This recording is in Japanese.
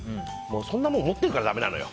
そんなもん思ってるからだめなのよ。